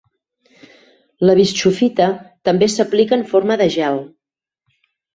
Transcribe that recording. La bischofita també s'aplica en forma de gel.